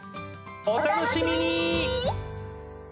お楽しみに。